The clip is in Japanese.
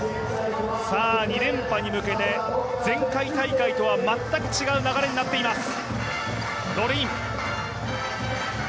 ２連覇に向けて前回大会とは全く違う流れになっています。